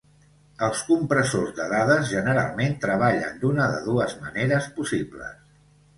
Els compressors de dades generalment treballen d'una de dues maneres possibles.